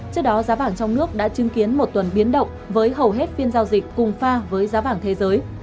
trước đó giá vàng trong nước đã chứng kiến một tuần biến động với hầu hết phiên giao dịch cùng pha với giá vàng thế giới